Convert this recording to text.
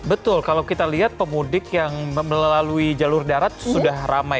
betul kalau kita lihat pemudik yang melalui jalur darat sudah ramai